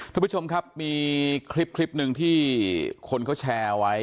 ทุกผู้ชมครับมีคลิปหนึ่งที่คนเขาแชร์เอาไว้